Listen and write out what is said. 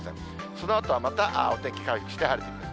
そのあとはまたお天気回復して晴れてくる。